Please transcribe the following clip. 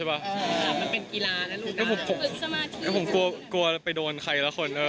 หรือบางคนดูเป็นนักร้องนะ